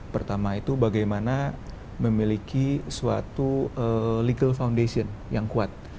pertama itu bagaimana memiliki suatu legal foundation yang kuat